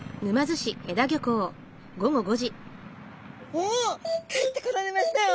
おお帰ってこられましたよ！